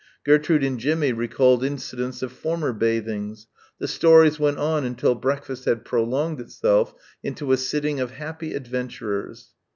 Gertrude and Jimmie recalled incidents of former bathings the stories went on until breakfast had prolonged itself into a sitting of happy adventurers.